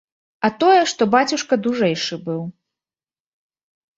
А тое, што бацюшка дужэйшы быў.